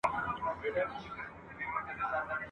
شعرونه د یادولو وړ دي ..